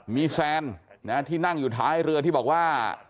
มีแซนที่นั่งอยู่ท้ายเรือที่บอกว่า